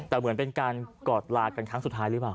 แต่เหมือนเป็นการกอดลากันครั้งสุดท้ายหรือเปล่า